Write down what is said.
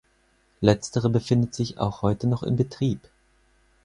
Letztere befindet sich auch heute noch in Betrieb.